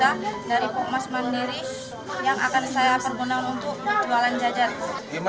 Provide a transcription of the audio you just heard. saya irma yasari anggota rembu cherry kumpulan enam